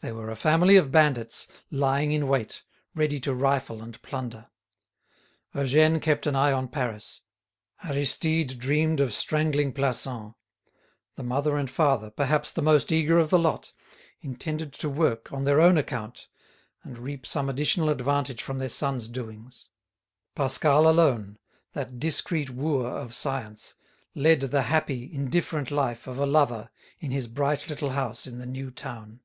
They were a family of bandits lying in wait, ready to rifle and plunder. Eugène kept an eye on Paris; Aristide dreamed of strangling Plassans; the mother and father, perhaps the most eager of the lot, intended to work on their own account, and reap some additional advantage from their sons' doings. Pascal alone, that discreet wooer of science, led the happy, indifferent life of a lover in his bright little house in the new town.